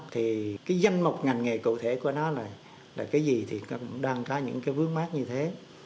thì cái danh mục ngành nghề cụ thể của nó là cái gì thì cũng đang có những cái vướng mát như thế